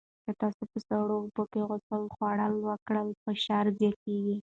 که تاسو په سړو اوبو کې غوطه خوړل وکړئ، فشار زیاتېږي.